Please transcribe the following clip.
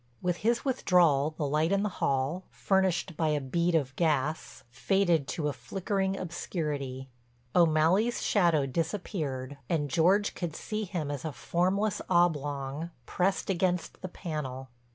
With his withdrawal the light in the hall, furnished by a bead of gas, faded to a flickering obscurity. O'Malley's shadow disappeared, and George could see him as a formless oblong, pressed against the panel.